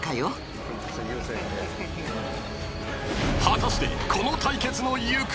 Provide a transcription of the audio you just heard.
［果たしてこの対決の行方は？］